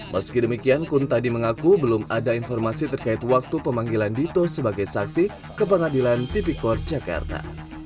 meski demikian kuntadi mengaku belum ada informasi terkait waktu pemanggilan dito sebagai saksi ke pengadilan tipikor jakarta